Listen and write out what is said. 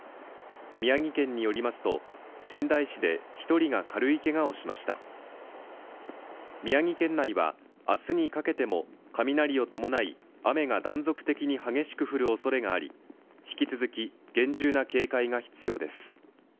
宮城県によりますと仙台市で１人が軽いけがをしました宮城県内は明日にかけても雷を伴い雨が断続的に激しく降るおそれがあり引き続き厳重な警戒が必要です。